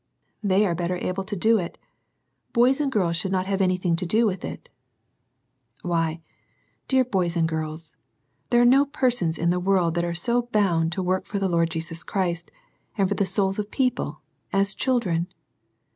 They are better able to do it. Boys and girls should not have anything to do with it" Why, dear boys and girls, there are no persons in the world that are so bound to work for the Lord Jesus Christ, and for the souls of people, as children.